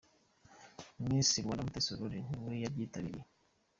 Miss Rwanda Mutesi Aurore niwe waryitabiriye.